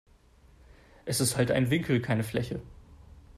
Es ist halt ein Winkel, keine Fläche.